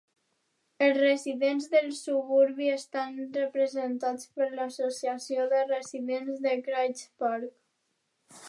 Els residents del suburbi estan representats per l'Associació de Residents de CraigPark.